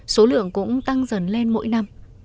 số lượng cũng tăng dần lên mỗi năm